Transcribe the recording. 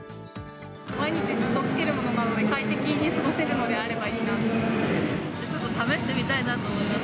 毎日ずっと着けるものなので、快適に過ごせるのであればいいなと思います。